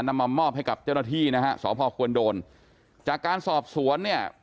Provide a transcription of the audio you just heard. นำมามอบให้กับเจ้าหน้าที่นะฮะสพควรโดนจากการสอบสวนเนี่ย